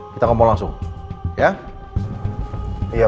tentakah kamu about pa